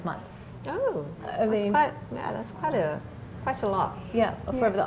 ya untuk bisnis seni